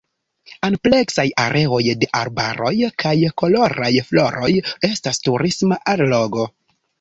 Ampleksaj areoj de arbaroj kaj koloraj floroj estas turisma allogo.